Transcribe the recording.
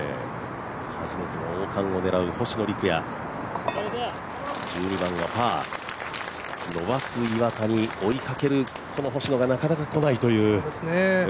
初めての王冠を狙う星野陸也１２番はパー、伸ばす岩田に追いかける星野がなかなかこないという。